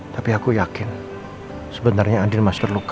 tapi aku yakin sebenarnya andin masih terluka